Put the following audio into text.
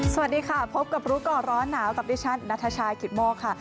สวัสดีค่ะพบกับรู้ก่อนร้อนหนาวกับดิฉันนัทชายกิตโมกค่ะ